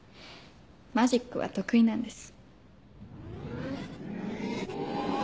マジックは得意なんです。